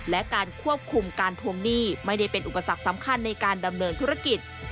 และการควบคุมการทวงหนี้ไม่ได้เป็นอุปสรรคสำคัญในการดำเนินธุรกิจ